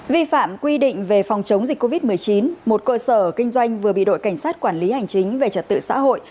vi phạm quy định về phòng chống dịch covid một mươi chín một cơ sở kinh doanh vừa bị đội cảnh sát quản lý hành chính về trật tự xã hội